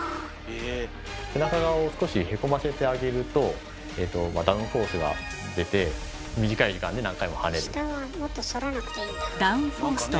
背中側を少しへこませてあげるとダウンフォースが出て短い時間で何回も跳ねる。